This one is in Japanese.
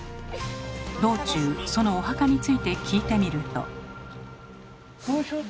道中そのお墓について聞いてみると。